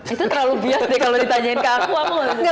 itu terlalu bias deh kalau ditanyain ke aku